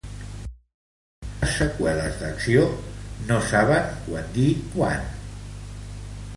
Algunes seqüeles d'acció no saben quan dir quan.